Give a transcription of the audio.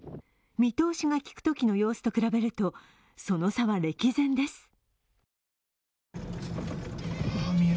見通しがきくときの様子と比べると、その差は歴然です。